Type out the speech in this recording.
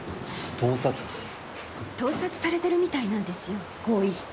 盗撮されてるみたいなんですよ更衣室。